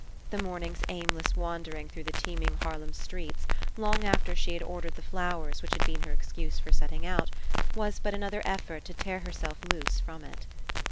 The morning's aimless wan dering through the teeming Harlem streets, long after she had ordered the flowers which had been her excuse for setting out, was but another effort to tear herself loose from it.